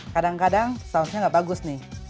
kadang kadang sausnya nggak bagus nih